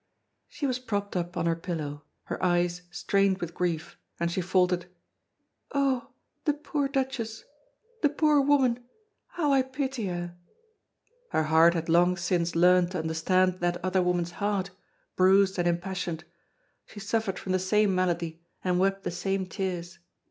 She was propped up on her pillow, her eyes strained with grief, and she faltered: "Oh! the poor Duchess the poor woman how I pity her!" Her heart had long since learned to understand that other woman's heart, bruised and impassioned! She suffered from the same malady and wept the same tears.